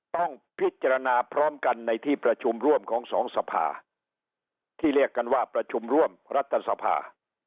ต้องพิจารณาพร้อมกันในที่ประชุมร่วมของสองสภาที่เรียกกันว่าประชุมร่วมรัฐสภา